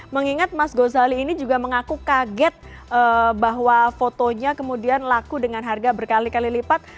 mengingat mas gozali ini juga mengaku kaget bahwa fotonya kemudian laku dengan harga berkali kali lipat